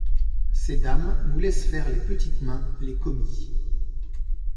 Ces dames nous laissent faire les petites mains, les commis.